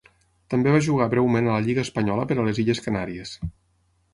També va jugar breument a la lliga espanyola per a les illes Canàries.